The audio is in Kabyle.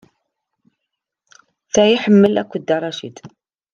D ta ay iḥemmel akk Dda Racid.